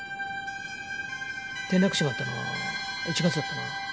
転落死があったのは１月だったな？